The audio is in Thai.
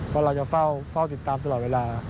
เพราะเราจะเฝ้าติดตามตลอดเวลา